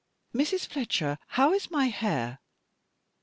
"Mrs. Fletcher, how is my hair?"